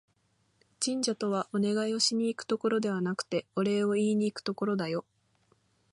神社とは、お願いをしに行くところではなくて、お礼を言いにいくところだよ